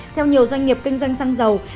theo nhiều doanh nghiệp kinh doanh xăng dầu